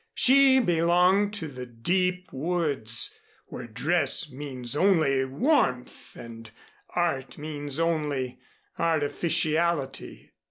She belonged to the deep woods, where dress means only warmth and art means only artificiality.